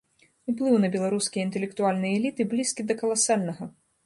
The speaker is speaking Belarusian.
Уплыў на беларускія інтэлектуальныя эліты блізкі да каласальнага.